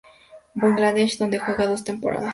Bundesliga, donde juega dos temporadas.